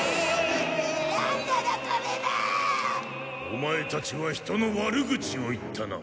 オマエたちは人の悪口を言ったな。